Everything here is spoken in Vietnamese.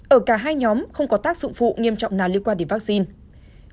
ở cả hai nhóm không có tác dụng phụ nghiêm trọng nào liên quan đến vaccine